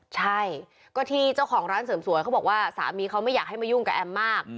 ใช่ก็ที่เจ้าของร้านเสริมสวยเขาบอกว่าสามีเขาไม่อยากให้มายุ่งกับแอมมาก